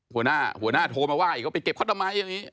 หัวหน้าโทรมาว่ายก็ไปเก็บความสำมายอย่างนี้